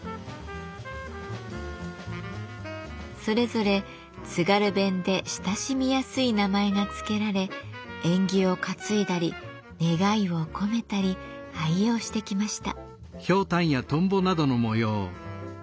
それぞれ津軽弁で親しみやすい名前が付けられ縁起を担いだり願いを込めたり愛用してきました。